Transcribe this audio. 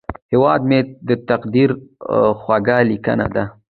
هیواد مې د تقدیر خوږه لیکنه ده